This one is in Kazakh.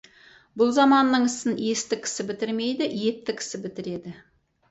Бұл заманның ісін есті кісі бітірмейді, епті кісі бітіреді.